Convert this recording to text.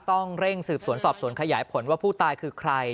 ต้องเร่งสืบสวนสอบสวนขยายผลว่าผู้ตายคือใคร